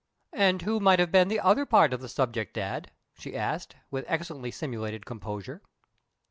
"And who might have been the other part of the subject, Dad?" she asked, with excellently simulated composure.